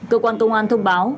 cơ quan công an thông báo